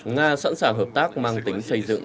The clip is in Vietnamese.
nga sẵn sàng hợp tác mang tính xây dựng